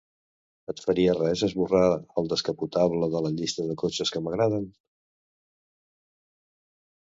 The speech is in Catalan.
Et faria res esborrar el descapotable de la llista de cotxes que m'agraden?